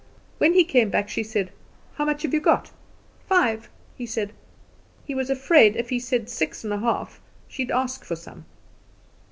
"When he came back she said: 'How much have you got?' "'Five,' he said. "He was afraid if he said six and a half she'd ask for some.